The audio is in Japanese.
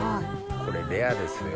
これレアですよ。